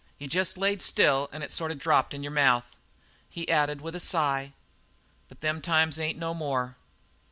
You jest laid still an' it sort of dropped in your mouth." He added with a sigh: "But them times ain't no more."